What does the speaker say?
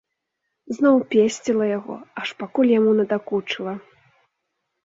Зноў песціла яго, аж пакуль яму надакучыла.